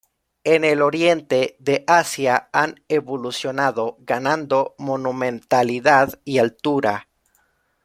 En el Oriente de Asia han evolucionado ganando monumentalidad y altura.